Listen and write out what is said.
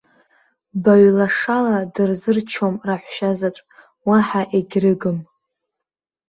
Баҩлашала дырзырчом раҳәшьа заҵә, уаҳа егьрыгым.